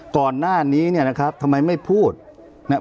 ก่อนหน้านี้เนี่ยนะครับทำไมไม่พูดนะครับ